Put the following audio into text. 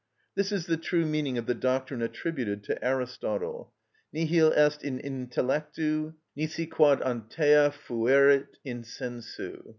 This is the true meaning of the doctrine attributed to Aristotle: Nihil est in intellectu, nisi quod antea fuerit in sensu.